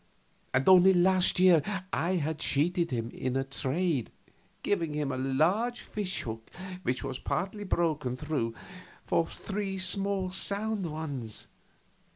And only last year I had cheated him in a trade, giving him a large fish hook which was partly broken through for three small sound ones.